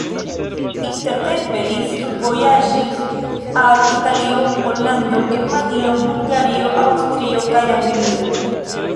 Intertempe li studvojaĝis al Italio, Pollando, Germanio, Bulgario, Aŭstrio kaj Anglio.